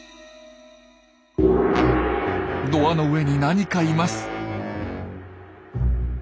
ドアの上に何かいます。